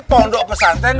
pondok pesantren ku anta